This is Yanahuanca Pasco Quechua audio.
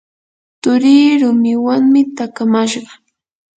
turii rumiwanmi takamashqa.